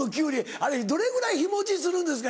あれどれぐらい日持ちするんですか？